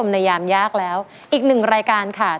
ในยามยากแล้วอีกหนึ่งรายการค่ะ